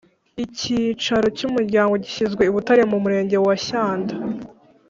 Icyicaro cy’umuryango gishyizwe i Butare mu murenge wa Shyanda